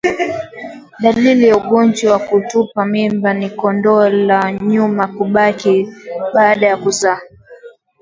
Dalili ya ugonjwa wa kutupa mimba ni kondo la nyuma kubaki baada ya kuzaa